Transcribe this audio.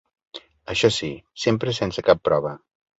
Això sí: sempre sense cap prova.